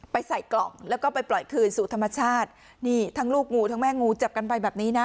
ใส่กล่องแล้วก็ไปปล่อยคืนสู่ธรรมชาตินี่ทั้งลูกงูทั้งแม่งูจับกันไปแบบนี้นะ